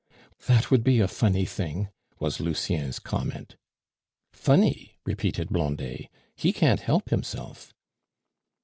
"That would be a funny thing," was Lucien's comment. "Funny" repeated Blondet. "He can't help himself."